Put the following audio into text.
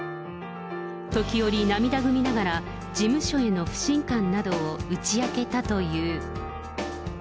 時折、涙ぐみながら、事務所への不信感などを打ち明けたという。